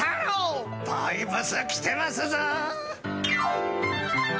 バイブスきてますぞ！